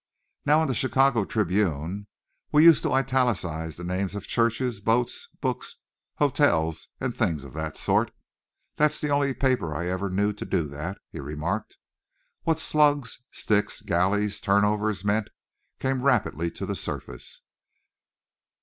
"Now on the Chicago Tribune we used to italicize the names of churches, boats, books, hotels, and things of that sort. That's the only paper I ever knew to do that," he remarked. What slugs, sticks, galleys, turnovers, meant, came rapidly to the surface.